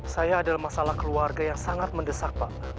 saya adalah masalah keluarga yang sangat mendesak pak